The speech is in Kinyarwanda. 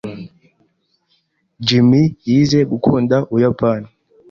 Jim yize gukunda Ubuyapani.